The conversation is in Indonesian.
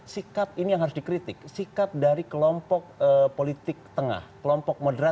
siapa bisa sebut nama